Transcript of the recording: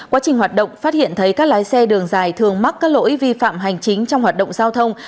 quá trình hoạt động phát hiện thấy các lái xe đường dài thường mắc các lỗi vi phạm hành chính trong hoạt động giao thông